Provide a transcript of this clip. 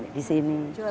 jualan di sini